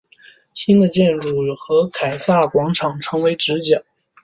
新的建筑和凯撒广场成为直角。